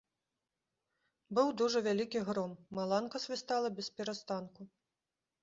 Быў дужа вялікі гром, маланка свістала бесперастанку.